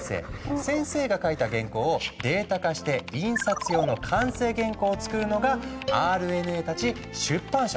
先生が描いた原稿をデータ化して印刷用の完成原稿をつくるのがＲＮＡたち出版社の社員なんだ。